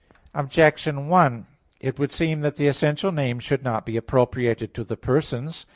Objection 1: It would seem that the essential names should not be appropriated to the persons.